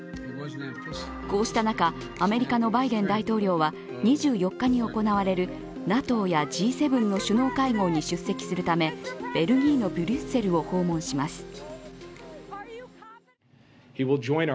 こうした中、アメリカのバイデン大統領は、２４日に行われるＮＡＴＯやＧ７の首脳会合に出席するためベルギーのブリュッセルを訪問します。